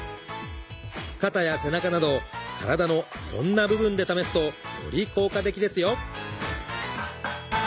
肩や背中など体のいろんな部分で試すとより効果的ですよ。